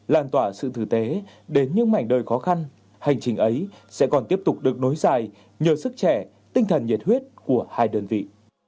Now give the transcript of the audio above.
hành trình ấy sẽ còn tiếp tục được nối dài nhờ sức trẻ tinh thần nhiệt huyết của hai đơn vị